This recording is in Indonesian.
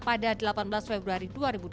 pada delapan belas februari dua ribu dua puluh